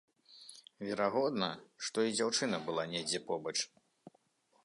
Верагодна, што і дзяўчына была недзе побач.